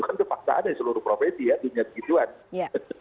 itu kan ada di seluruh profesi ya dunia kegituan